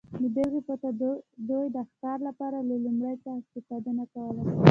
د بېلګې په توګه دوی د ښکار لپاره له لومې څخه استفاده نه کوله